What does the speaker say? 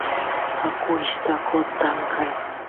akuyshtaqot tankay